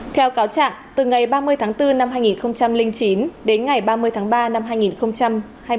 theo cáo trạng từ ngày ba mươi tháng bốn năm hai nghìn chín đến ngày ba mươi tháng ba năm hai nghìn hai mươi